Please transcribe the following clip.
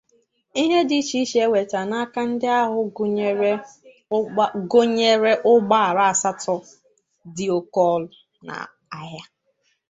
Ihe dị icheiche e nwetere n'aka ndị ahụ gụnyèrè ụgbọala asatọ dị oke ọnụ ahịa